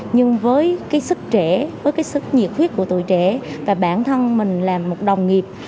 nhưng với cái sức trẻ với cái sức nhiệt huyết của tuổi trẻ và bản thân mình là một đồng nghiệp